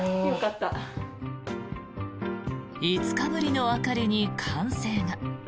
５日ぶりの明かりに歓声が。